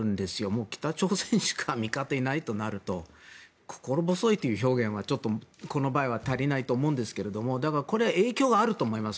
もう北朝鮮しか味方がいないとなると心細いという表現はこの場合は足りないと思いますがこれ、影響はあると思います。